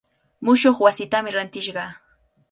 Mushuq wasitami rantishqa.